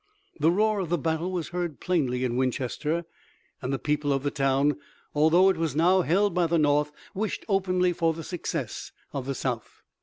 The roar of the battle was heard plainly in Winchester, and the people of the town, although it was now held by the North, wished openly for the success of the South.